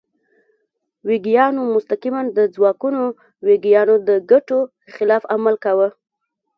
ویګیانو مستقیماً د ځواکمنو ویګیانو د ګټو خلاف عمل کاوه.